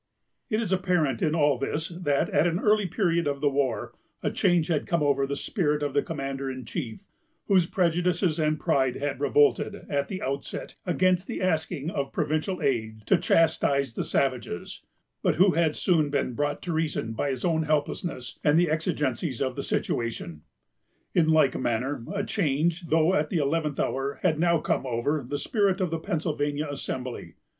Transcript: It is apparent in all this that, at an early period of the war, a change had come over the spirit of the commander in chief, whose prejudices and pride had revolted, at the outset, against the asking of provincial aid to "chastise the savages," but who had soon been brought to reason by his own helplessness and the exigencies of the situation. In like manner, a change, though at the eleventh hour, had now come over the spirit of the Pennsylvania Assembly.